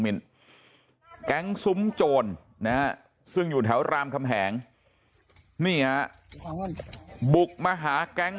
แก๊งซุ้มโจรนะฮะซึ่งอยู่แถวรามคำแหงนี่ฮะบุกมาหาแก๊ง